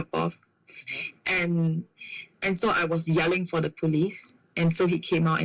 มันปล่อยมันออกไปตอนมันปล่อยมันออกไป